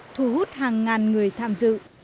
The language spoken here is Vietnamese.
thu hút hàng ngàn người tham dự